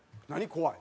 怖い。